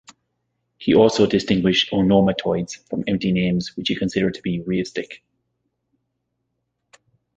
He also distinguished onomatoids from empty names, which he considered to be reistic.